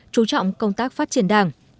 trú trọng công tác phát triển đảng